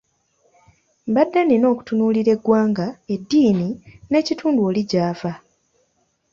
Mbadde nnina okutunuulira eggwanga, eddiini n’ekitundu oli gy’ava.